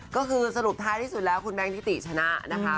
ก็คือสรุปท้ายที่สุดแล้วคุณแบงคิติชนะนะคะ